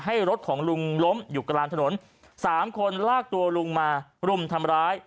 รถของลุงล้มอยู่กลางถนนสามคนลากตัวลุงมารุมทำร้าย